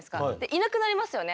いなくなりますよね。